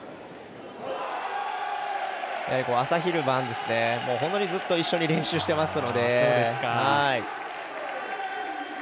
朝昼晩、本当にずっと一緒に練習してますので。